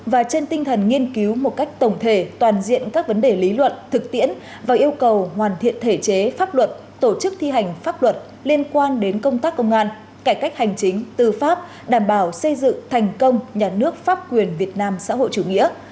và trên tinh thần nghiên cứu một cách tổng thể toàn diện các vấn đề lý luận thực tiễn và yêu cầu hoàn thiện thể chế pháp luật tổ chức thi hành pháp luật liên quan đến công tác công an cải cách hành chính tư pháp đảm bảo xây dựng thành công nhà nước pháp quyền việt nam xã hội chủ nghĩa